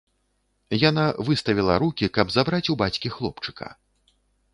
Яна выставіла рукі, каб забраць у бацькі хлопчыка.